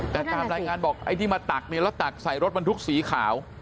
แต่ตามรายงานบอกไอ้ที่มาตักเนี่ยแล้วตักใส่รถบรรทุกสีขาว